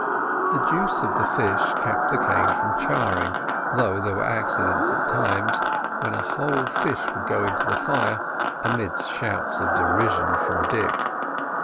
The juice of the fish kept the cane from charring, though there were accidents at times, when a whole fish would go into the fire, amidst shouts of derision from Dick.